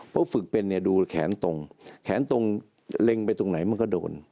เพราะฝึกเป็นเนี่ยดูแขนตรงแขนตรงเล็งไปตรงไหนมันก็โดน